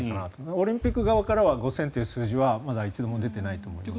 オリンピック側からは５０００人という数字はまだ一度も出ていないと思います。